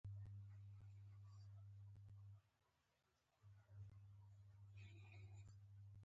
پنځمه د امریکا د کیمیاوي انجینری انسټیټیوټ و.